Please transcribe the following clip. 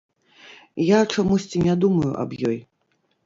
Я чамусьці не думаю аб ёй.